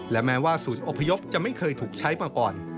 และแม้ว่าศูนย์อพยพจะไม่เคยถูกใช้มาก่อน